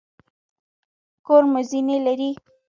کور مو زینې لري؟